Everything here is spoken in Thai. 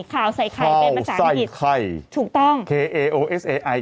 ข่าวใส่ไข่เป็นประสาทนิติถูกต้องคาวใส่ไข่